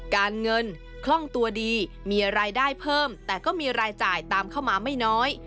การเงินคล่องตัวดีมีรายได้เพิ่มแต่ก็มีรายจ่ายตามเข้ามาไม่น้อย